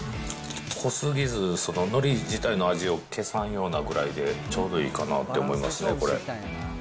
濃すぎず、のり自体の味を消さんようなぐらいで、ちょうどいいかなって思いますね、これ。